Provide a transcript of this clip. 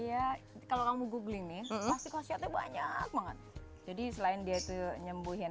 iya kalau kamu googling nih pasti khasiatnya banyak banget jadi selain dia itu nyembuhin